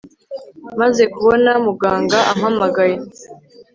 Maze kubona muganga ampamagaye